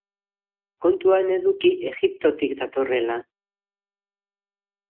Kontuan eduki Egiptotik datorrela.